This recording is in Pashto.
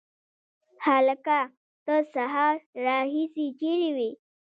هلکه د سهار راهیسي چیري وې؟